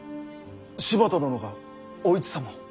柴田殿がお市様を？